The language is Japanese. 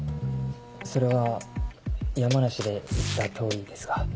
それは山梨で言った通りですが。